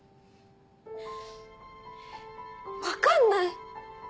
分かんない！